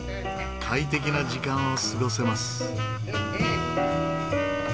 快適な時間を過ごせます。